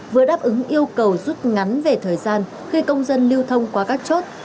vừa đáp ứng yêu cầu rút ngắn về thời gian khi công dân lưu thông qua các chốt